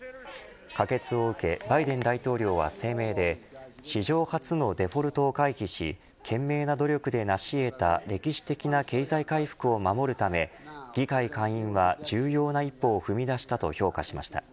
可決を受けバイデン大統領は声明で史上初のデフォルトを回避し懸命な努力で成し得た歴史的な経済回復を守るため議会下院は重要な一歩を踏み出したと評価しました。